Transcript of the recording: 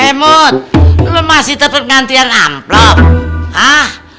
eh mahmud lo masih tepet ngantian amplop hah